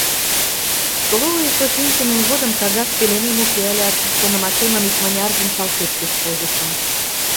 Столовыйышто шинчымем годым кагаз пеленем уке ылят, шонымашемым икмыняржым салфеткеш возышым.